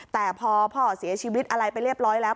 แต่พอพ่อเสียชีวิตอะไรไปเรียบร้อยแล้ว